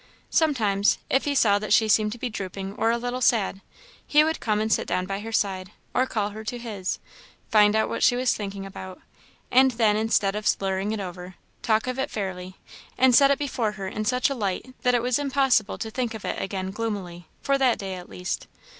Sometimes, if he saw that she seemed to be drooping or a little sad, he would come and sit down by her side, or call her to his, find out what she was thinking about, and then, instead of slurring it over, talk of it fairly, and set it before her in such a light that it was impossible to think of it again gloomily, for that day at least.